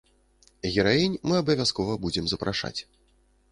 Гераінь мы абавязкова будзем запрашаць.